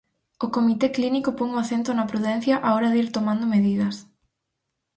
O comité clínico pon o acento na prudencia á hora de ir tomando medidas.